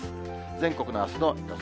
全国のあすの予想